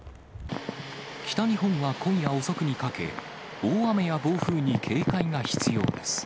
北日本は今夜遅くにかけ、大雨や暴風に警戒が必要です。